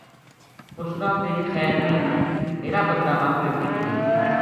اس نا تیری خیر نیہہ میر ا بدلہ ما بیٹکی بے دے